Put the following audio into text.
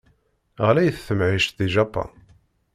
Ɣlayet temɛict di Japan.